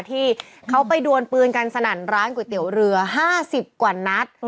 ที่เขาไปดวนปืนกันสนั่นร้านก๋วยเตี๋ยวเรือ๕๐กว่านัด